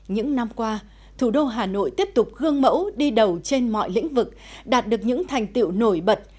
những năm qua thủ đô hà nội tiếp tục gương mẫu đi đầu trên mọi lĩnh vực đạt được những thành tiệu nổi bật